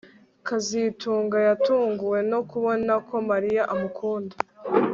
kazitunga yatunguwe no kubona ko Mariya amukunda